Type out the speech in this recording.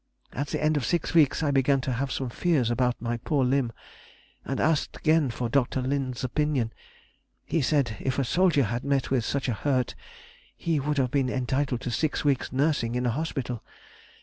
At the end of six weeks I began to have some fears about my poor limb, and asked again for Dr. Lind's opinion: he said if a soldier had met with such a hurt he would have been entitled to six weeks' nursing in a hospital.